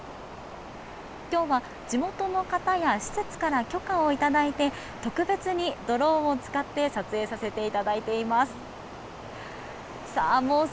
きょうは、地元の方や施設から許可を頂いて、特別にドローンを使って撮影させていただいています。